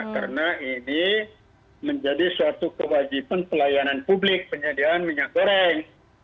karena ini menjadi suatu kewajiban pelayanan publik penyediaan minyak goreng